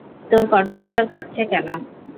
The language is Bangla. তোর কণ্ঠস্বর কাঁপছে কেন?